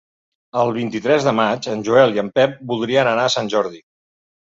El vint-i-tres de maig en Joel i en Pep voldrien anar a Sant Jordi.